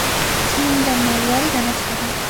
წმინდანმა უარი განაცხადა.